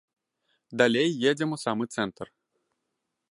Далей едзем у самы цэнтр.